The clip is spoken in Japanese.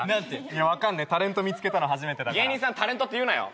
いや分かんないタレント見つけたの初めてだから芸人さんタレントって言うなよ